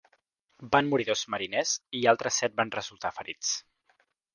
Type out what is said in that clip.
Van morir dos mariners i altres set van resultar ferits.